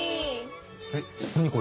えっ何これ。